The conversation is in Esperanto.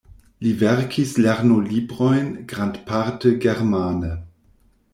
Li verkis lernolibrojn grandparte germane.